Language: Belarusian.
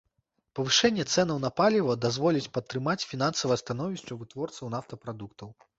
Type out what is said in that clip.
Павышэнне цэнаў на паліва дазволіць падтрымаць фінансавае становішча вытворцаў нафтапрадуктаў.